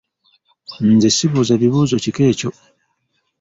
Nze sibuuza bibuuzo kika ekyo.